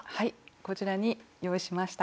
こちらに用意しました。